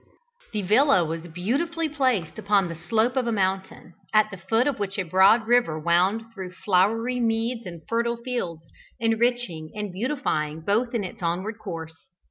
The villa was beautifully placed upon the slope of a mountain, at the foot of which a broad river wound through flowery meads and fertile fields, enriching and beautifying both in its onward course.